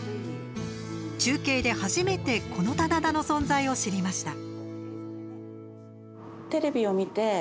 中継で初めてこの棚田の存在を知りました。